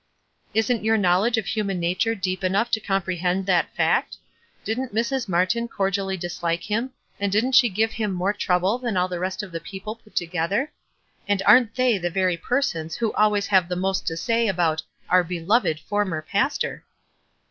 "Isn't your knowledge of human nature deep enough to comprehend that fact? Didn't Mrs. Martyn cordially dislike him, and didn't she give him more trouble than all the rest of the people put together ? And aren't they the very persons who always have the most to say about ' our be loved former pastor